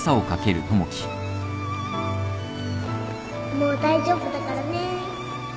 もう大丈夫だからね